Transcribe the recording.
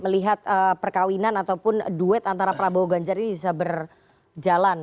melihat perkawinan ataupun duet antara prabowo ganjar ini bisa berjalan